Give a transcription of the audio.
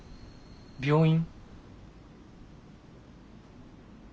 病院？